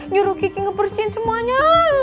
nyuruh kiki ngebersihin semuanya